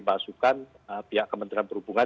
masukan pihak kementerian perhubungan